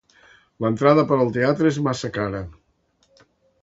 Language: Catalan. L'entrada per al teatre és massa cara.